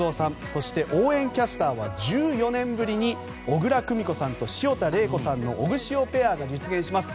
そして応援キャスターは１４年ぶりに小椋久美子さんと潮田玲子さんのオグシオペアが実現します。